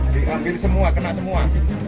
diambil semua kena semua